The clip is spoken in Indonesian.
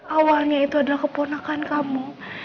awalnya itu adalah keponakan kamu